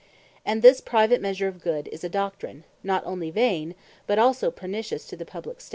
And this private measure of Good, is a Doctrine, not onely Vain, but also Pernicious to the Publique State.